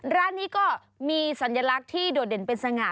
ร้านนี้ก็มีสัญลักษณ์ที่โดดเด่นเป็นสง่า